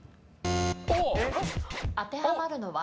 当てはまるのは？